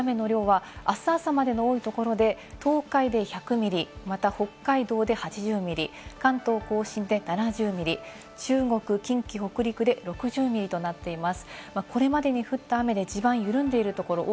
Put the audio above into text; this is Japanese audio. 予想される雨の量はあす朝までの多いところで、東海で１００ミリ、また北海道で８０ミリ、関東甲信で７０ミリ、中国、近畿、北陸、３２度となっています。